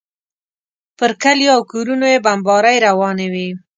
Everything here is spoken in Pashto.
پر کلیو او کورونو یې بمبارۍ روانې وې.